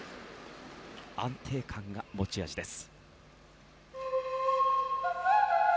安定感が持ち味です。